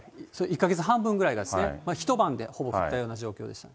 １か月半分ぐらいがですね、一晩でほぼ降ったような状況でした。